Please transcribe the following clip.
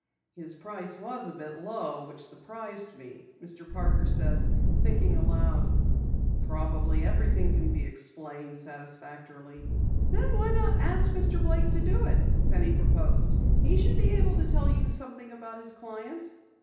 "His price was a bit low, which surprised me," Mr. Parker said, thinking aloud. "Probably everything can be explained satisfactorily." "Then why not ask Mr. Blake to do it?" Penny proposed. "He should be able to tell you something about his client."